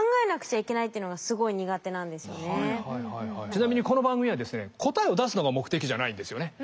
ちなみにこの番組はですね答えを出すのが目的じゃないんですよね。